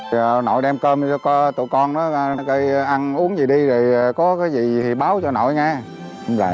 giờ nội đem cơm cho tụi con đó ăn uống gì đi có gì thì báo cho nội nghe